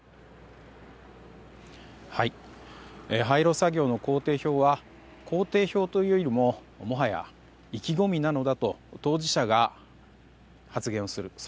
廃炉作業の工程表は工程表というよりももはや意気込みなのだと当事者が発言をする。